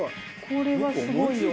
これはすごいよ。